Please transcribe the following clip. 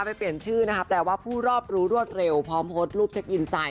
ไปเปลี่ยนชื่อนะว่าภูรบรู้รวดเร็วพ้อมพดรูปเช็คอินไซน์